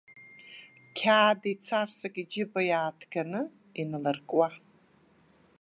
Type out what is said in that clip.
Қьаад еицарсак иџьыба иааҭганы иналыркуа.